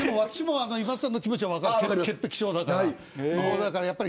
今田さんの気持ちは分かる潔癖症だから。